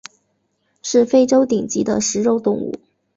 是非洲顶级的食肉动物。